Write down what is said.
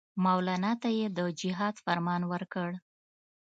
مولنا ته یې د جهاد فرمان ورکړ.